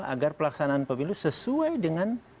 agar pelaksanaan pemilu sesuai dengan